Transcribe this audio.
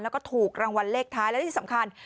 แล้วก็ถูกรางวัลเลขท้ายและที่สำคัญ